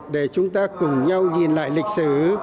để chúng ta cùng nhau nhìn lại lịch sử